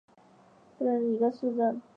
贝滕豪森是德国图林根州的一个市镇。